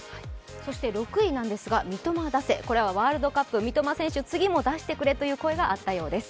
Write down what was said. ６位、三笘出せーーー！、これはワールドカップ・三笘選手を次も出してくれという声があったそうです。